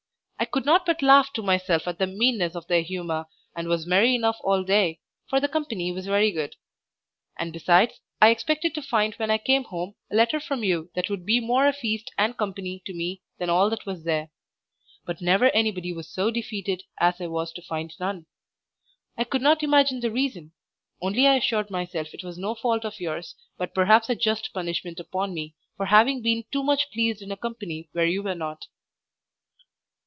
I could not but laugh to myself at the meanness of their humour, and was merry enough all day, for the company was very good; and besides, I expected to find when I came home a letter from you that would be more a feast and company to me than all that was there. But never anybody was so defeated as I was to find none. I could not imagine the reason, only I assured myself it was no fault of yours, but perhaps a just punishment upon me for having been too much pleased in a company where you were not.